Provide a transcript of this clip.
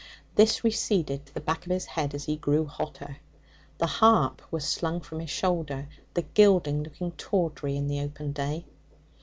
This receded to the back of his head as he grew hotter. The harp was slung from his shoulder, the gilding looking tawdry in the open day.